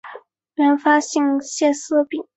原发性血色病